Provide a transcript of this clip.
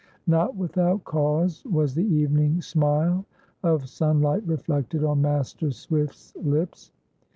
Not without cause was the evening smile of sunlight reflected on Master Swift's lips.